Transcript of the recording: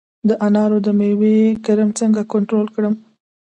د انارو د میوې کرم څنګه کنټرول کړم؟